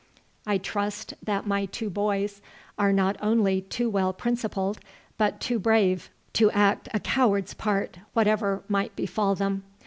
I trust that my two boys are not only too well principled, but too brave to act a coward's part, whatever might befall them.